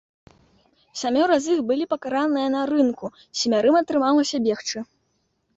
Сямёра з іх былі пакараныя на рынку, семярым атрымалася бегчы.